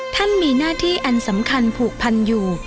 ท่านมีหน้าที่อันสำคัญผูกพันอยู่